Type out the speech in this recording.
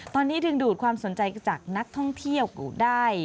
ตอนนี้ดึงดูดความสนใจจากนักท่องเที่ยวได้